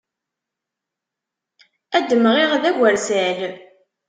Ad d-mɣiɣ d agersal.